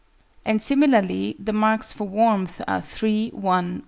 And similarly, the marks for warmth are 3, 1, 1/4.